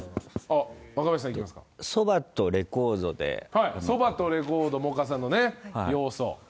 はいそばとレコード萌歌さんのね要素。